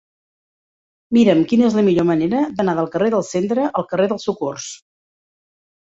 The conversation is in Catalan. Mira'm quina és la millor manera d'anar del carrer del Centre al carrer del Socors.